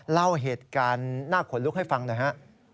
เล่าเหตุการณ์หน้าขนลุกให้ฟังหน่อยฮะ